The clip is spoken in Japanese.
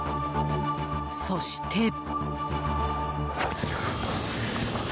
そして。